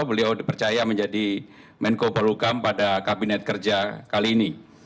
beliau dipercaya menjadi menko pelukam pada kabinet kerja kali ini